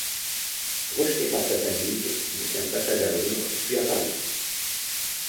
Rejeté par sa famille, il fait un passage à Londres, puis à Paris.